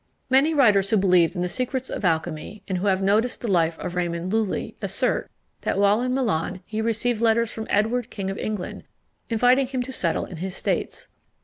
Most writers who believed in the secrets of alchymy, and who have noticed the life of Raymond Lulli, assert, that while in Milan, he received letters from Edward King of England, inviting him to settle in his states.